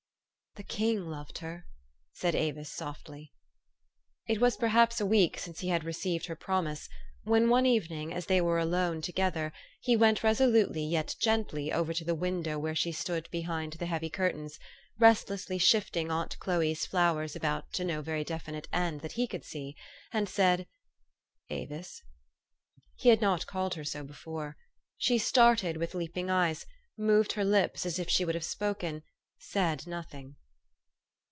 " The king loved her," said Avis softly. It was perhaps a week since he had received her promise, when one evening, as they were alone to gether, he went resolutely yet gently over to the window where she stood behind the heavy curtains, restlessly shifting aunt Chloe's flowers about to no very definite end, that he could see, and said, "Avis?" He had not called her so before. She started with leaping eyes, moved her lips as if she would have spoken ; said nothing.